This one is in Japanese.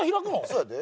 そうやで。